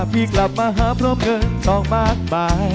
พี่กลับมาหาพร้อมกันต่อมากมาย